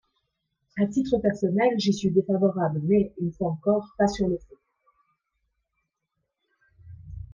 À titre personnel, j’y suis défavorable mais, une fois encore, pas sur le fond.